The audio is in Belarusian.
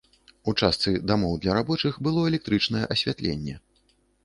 У частцы дамоў для рабочых было электрычнае асвятленне.